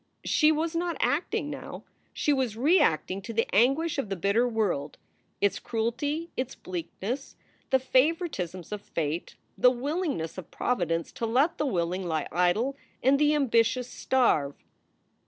She was not acting now. She was reacting to the anguish of the bitter world, its cruelty, its bleakness, the favoritisms of fate, the willingness of Providence to let the willing lie idle, and the ambitious starve.